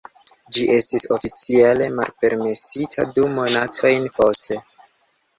Ĝi estis oficiale malpermesita du monatojn poste.